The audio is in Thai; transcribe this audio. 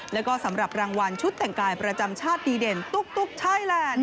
แล้วก็สำหรับรางวัลชุดแต่งกายประจำชาติดีเด่นตุ๊กไทยแลนด์